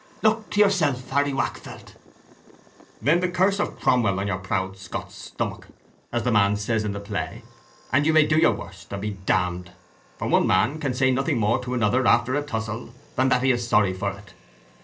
Look to yourself, Harry Waakfelt." "Then the curse of Cromwell on your proud Scots stomach, as the man says in the play, and you may do your worst, and be d d; for one man can say nothing more to another after a tussle, than that he is sorry for it."